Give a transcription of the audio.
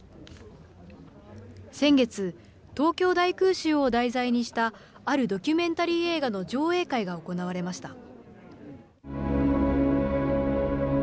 先月、東京大空襲を題材にした、あるドキュメンタリー映画の上映会が行われました。